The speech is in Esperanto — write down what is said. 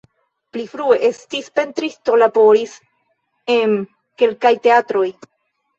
Pli frue estis pentristo, laboris en kelkaj teatroj.